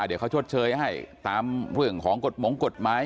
เดี๋ยวเขาชดเชยให้ตามเรื่องของกฎหมงกฎหมาย